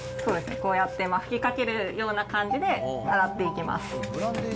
こうやって吹きかけるような感じで洗っていきます。